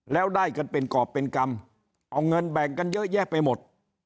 แล้วได้กันเป็นกรอบเป็นกรรมเอาเงินแบ่งกันเยอะแยะไปหมด